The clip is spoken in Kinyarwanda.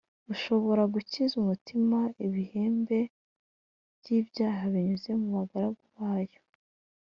ushobora gukiza umutima ibibembe by’ibyaha binyuze mu bagaragu bayo